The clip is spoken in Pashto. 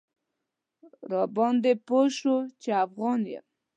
راباندې پوی شو چې افغان یم.